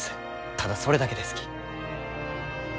ただそれだけですき。